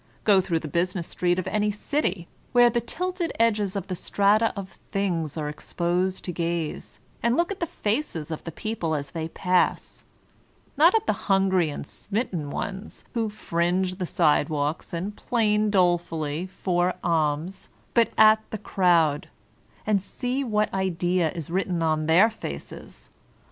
Go through the business street of any city, where the tilted edges of the strata of things are exposed to gaze, and look at the faces of the people as they pass, — ^not at the hungry and smitten ones who fringe the sidewalks and plaint dolefully for alms, but at the crowd, — ^and see what idea is written on their faces.